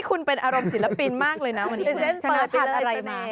คุณเป็นอารมณ์ศีลปินมากเลยนะวันนี้